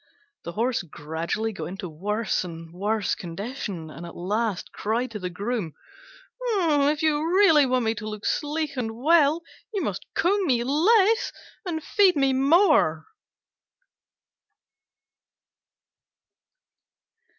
The Horse gradually got into worse and worse condition, and at last cried to the Groom, "If you really want me to look sleek and well, you must comb me less and feed me more."